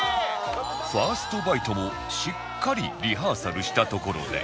ファーストバイトもしっかりリハーサルしたところで